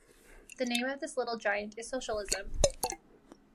The name of this little giant is socialism.